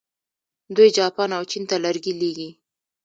دوی جاپان او چین ته لرګي لیږي.